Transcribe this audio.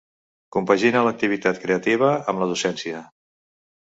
Compagina l'activitat creativa amb la docència.